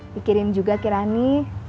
pikirin juga kirani